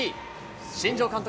新庄監督